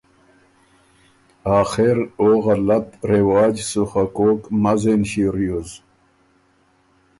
آخر او غلط رواج سُو خه کوک مزېن ݭيې ریوز۔